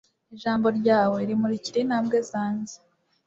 ijambo ryawe rimurikira intambwe zanjye